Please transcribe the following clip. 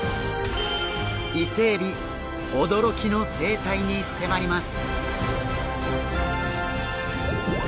イセエビ驚きの生態に迫ります！